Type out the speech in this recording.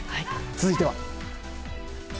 続いては。